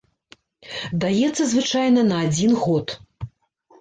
Даецца звычайна на адзін год.